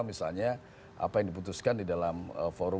misalnya apa yang diputuskan di dalam forum dua puluh satu dua puluh dua